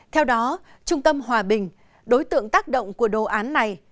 theo đó trung tâm hòa bình đối tượng tác động của đồ án này